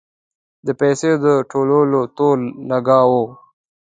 د پیسو د ټولولو تور لګاوه.